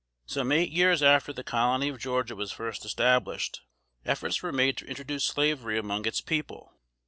Some eight years after the Colony of Georgia was first established, efforts were made to introduce Slavery among its people.